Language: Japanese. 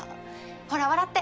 ほら笑って。